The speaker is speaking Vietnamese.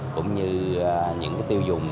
cũng như những cái tiêu dùng